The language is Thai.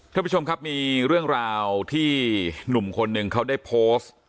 ท่านผู้ชมครับมีเรื่องราวที่หนุ่มคนหนึ่งเขาได้โพสต์